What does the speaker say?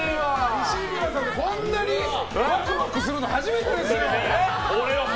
西村さんでこんなにワクワクするの初めてですよ。